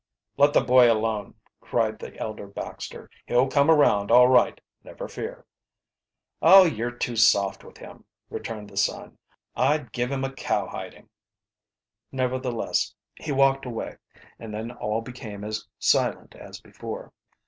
"Let the boy alone," cried the elder Baxter. "He'll come around all right, never fear." "Oh, you're too soft with him," returned the son. "I'd give him a cowhiding." Nevertheless, he walked away, and then all became as silent as before.